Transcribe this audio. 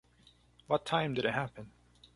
What time did it happen?